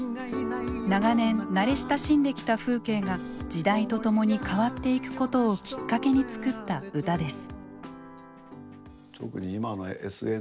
長年慣れ親しんできた風景が時代と共に変わっていくことをきっかけに作った歌です。